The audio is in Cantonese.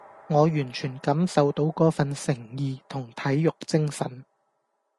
我完全感受到嗰份誠意同體育精神